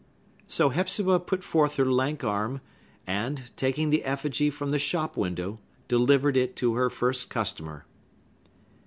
So Hepzibah put forth her lank arm, and, taking the effigy from the shop window, delivered it to her first customer.